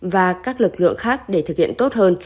và các lực lượng khác để thực hiện tốt hơn